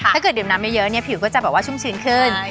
ถ้าเกิดดื่มน้ำเยอะผิวก็จะชุ่มชื้นขึ้น